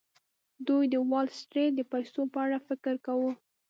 دوی د وال سټریټ د پیسو په اړه فکر کاوه